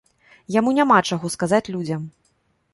Яму няма чаго сказаць людзям.